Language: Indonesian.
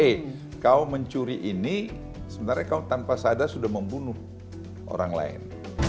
eh kau mencuri ini sebenarnya kau tanpa sadar sudah membunuh orang lain